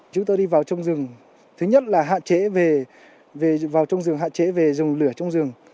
chúng tôi đi vào trong rừng thứ nhất là hạn chế về rừng lửa trong rừng